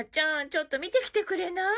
ちょっと見てきてくれない？